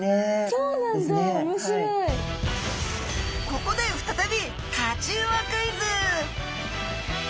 ここで再びタチウオクイズ！